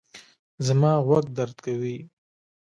زما غوږ درد کوي